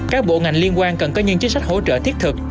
các bộ ngành liên quan cần có những chính sách hỗ trợ thiết thực